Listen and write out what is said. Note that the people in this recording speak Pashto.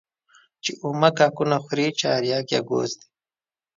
چي اومه کاکونه خوري چارياک يې گوز دى.